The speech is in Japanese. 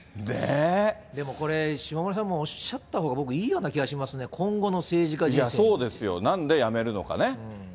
でもこれ、下村さんもおっしゃったほうが、僕、いいような気がしますね、そうですよ、なんでやめるのかね。